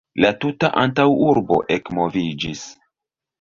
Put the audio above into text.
La tuta antaŭurbo ekmoviĝis.